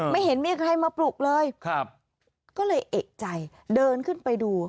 เห็นมีใครมาปลุกเลยครับก็เลยเอกใจเดินขึ้นไปดู